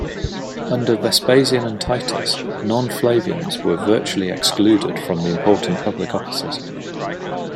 Under Vespasian and Titus, non-Flavians were virtually excluded from the important public offices.